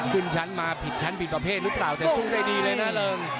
ขึ้นชั้นมาผิดชั้นผิดประเภทหรือเปล่าแต่สู้ได้ดีเลยนะเริง